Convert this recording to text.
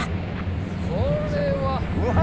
これは。うわ。